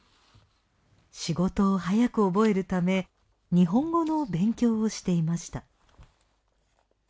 仕事を早く覚えるため日本語の勉強をしていました。